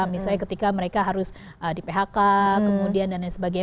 misalnya ketika mereka harus di phk kemudian dan lain sebagainya